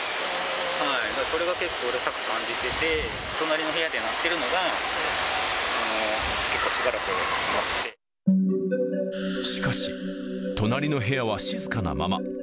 それが結構、うるさく感じてて、隣の部屋で鳴ってるのが、しかし、隣の部屋は静かなまま。